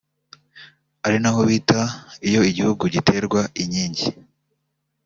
ari naho bita “iyo igihugu giterwa inkingi”